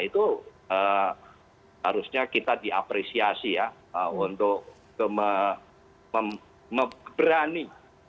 itu harusnya kita diapresiasi ya untuk berani